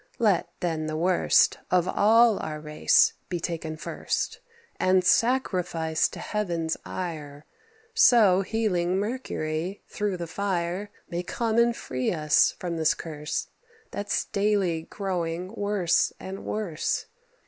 Let, then, the worst Of all our race be taken first, And sacrificed to Heaven's ire; So healing Mercury, through the fire, May come and free us from this curse, That's daily growing worse and worse.